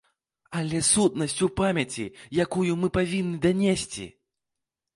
Але сутнасць у памяці, якую мы павінны данесці.